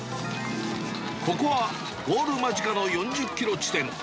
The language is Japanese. ここはゴール間近の４０キロ地点。